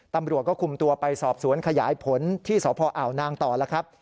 ตำรวจก็คุมตัวไปสอบสวนขยายผลที่สพอ่าวนางต่อแล้วครับ